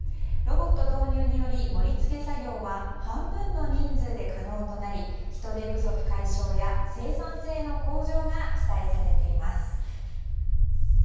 ロボット導入により盛り付け作業は半分の人数で可能となり人手不足解消や生産性の向上が期待されています。